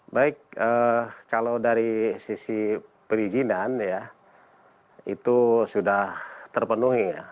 baik kalau dari sisi perizinan ya itu sudah terpenuhi ya